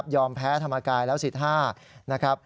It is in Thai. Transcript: ยอมแพ้ธรรมกายแล้วสิทธิ์ห้า